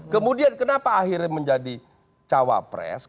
kemudian kenapa akhirnya menjadi cawapres